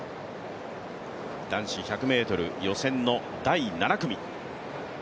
男子１００ｍ予選の第７組。